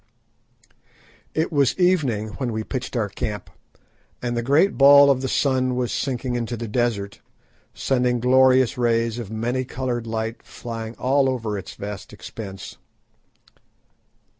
It was evening when we pitched our camp, and the great ball of the sun was sinking into the desert, sending glorious rays of many coloured light flying all over its vast expanse.